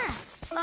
あ。